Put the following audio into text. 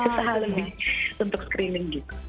usaha lebih untuk screening gitu